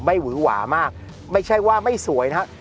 หวือหวามากไม่ใช่ว่าไม่สวยนะครับ